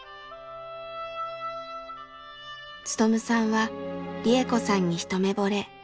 勉さんは利恵子さんに一目ぼれ。